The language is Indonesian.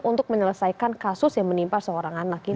untuk menyelesaikan kasus yang menimpa seorang anak ini